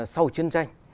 sau chiến tranh